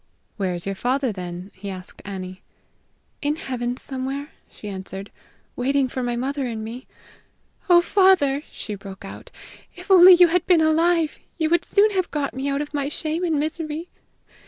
"Where is your father, then?" he asked Annie. "In heaven somewhere," she answered, "waiting for my mother and me. Oh, father!" she broke out, "if only you had been alive you would soon have got me out of my shame and misery!